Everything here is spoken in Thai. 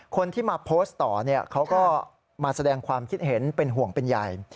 คนที่มาโพสต์ต่อเขาก็มาแสดงความคิดเห็นเป็นห่วงเป็นใหญ่